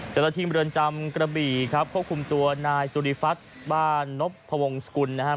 เจ้าหน้าที่เมืองจำกระบี่ครับควบคุมตัวนายสุริฟัฒนบ้านนพวงศกุลนะครับ